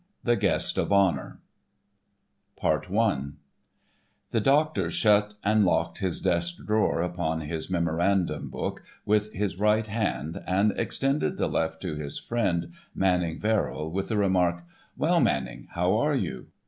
*The Guest of Honour* *PART ONE* The doctor shut and locked his desk drawer upon his memorandum book with his right hand, and extended the left to his friend Manning Verrill, with the remark: "Well, Manning, how are you?"